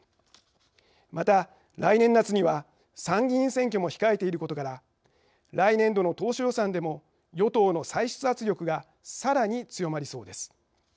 また、来年夏には参議院選挙も控えていることから来年度の当初予算でも与党の歳出圧力がさらに強まりそうです。